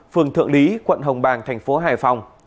phường thượng lý quận hồng bàng tp hải phòng